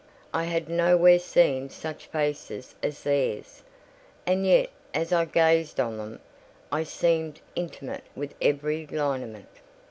I had nowhere seen such faces as theirs: and yet, as I gazed on them, I seemed intimate with every lineament.